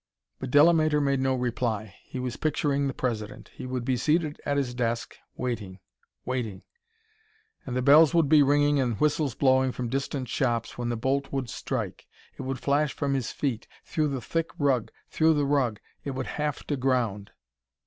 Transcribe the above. But Delamater made no reply. He was picturing the President. He would be seated at his desk, waiting, waiting ... and the bells would be ringing and whistles blowing from distant shops when the bolt would strike.... It would flash from his feet ... through the thick rug ... through the rug.... It would have to ground.